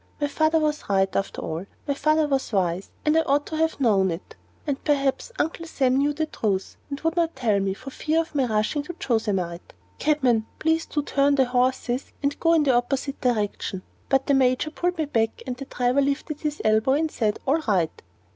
My father was right; after all, my father was wise; and I ought to have known it. And perhaps Uncle Sam knew the truth, and would not tell me, for fear of my rushing to the Yosemite. Cabman, please to turn the horse and go in the opposite direction." But the Major pulled me back, and the driver lifted his elbow and said, "All right."